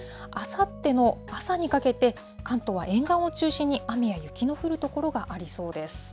あさっての朝にかけて、関東は沿岸を中心に雨や雪の降る所がありそうです。